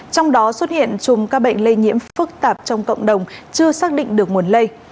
trong đó xuất hiện chùm các bệnh lây nhiễm phức tạp trong cộng đồng chưa xác định được nguồn lây